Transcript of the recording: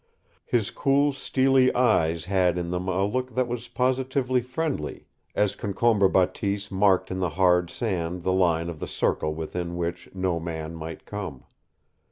His cool, steely eyes had in them a look that was positively friendly, as Concombre Bateese marked in the hard sand the line of the circle within which no man might come.